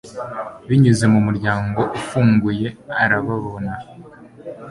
binyuze mu muryango ufunguye, arababona